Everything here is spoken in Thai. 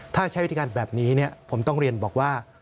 ถ้าใช้วิธีการแบบนี้ผมต้องเรียนบอกว่า